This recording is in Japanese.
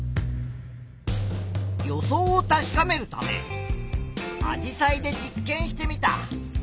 予想を確かめるためアジサイで実験してみた。